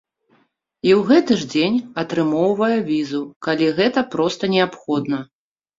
І ў гэты ж дзень атрымоўвае візу, калі гэта проста неабходна.